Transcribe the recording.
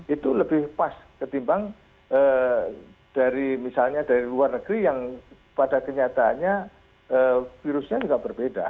itu lebih pas ketimbang dari misalnya dari luar negeri yang pada kenyataannya virusnya juga berbeda